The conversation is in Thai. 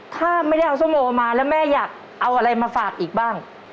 ถ้าไม่ได้เอาส้มโอมาแล้วแม่อยากเอาอะไรมาฝากอีกบ้าง